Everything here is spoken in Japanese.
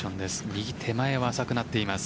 右手前は浅くなっています。